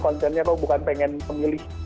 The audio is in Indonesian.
konsennya kok bukan pengen memilih